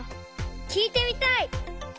きいてみたい！